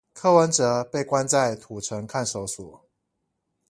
柯文哲被關在土城看守所